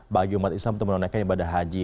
bagi umat islam untuk menunaikan ibadah haji